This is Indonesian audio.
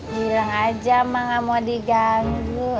bilang aja malah mau diganggu